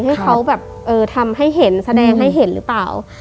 ให้เขาแบบเออทำให้เห็นแสดงให้เห็นหรือเปล่า